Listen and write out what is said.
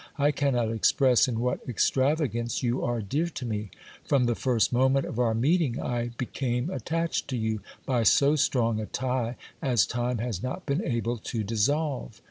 I cannot express in what extrava gance you are dear to me. From the first moment of our meeting, I became attached to you by so strong a tie, as time has not been able to dissolve.